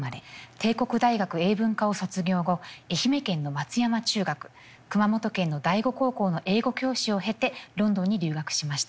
帝国大学英文科を卒業後愛媛県の松山中学熊本県の第五高校の英語教師を経てロンドンに留学しました。